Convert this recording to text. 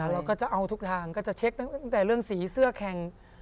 เราก็จะเอาทุกทางก็จะเช็คตั้งแต่เรื่องสีเสื้อแข่ง